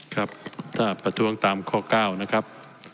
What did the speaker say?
ครับถ้าประท้วงตามข้อ๙นะครับ